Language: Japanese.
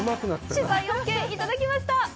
取材オーケーいただきました。